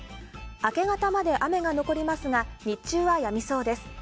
明け方まで雨が残りますが日中はやみそうです。